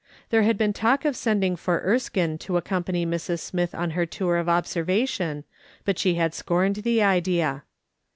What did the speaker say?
There had been talk of sending for Erskine to accompany Mrs. Smith on her tour of observation, but she had scorned the idea.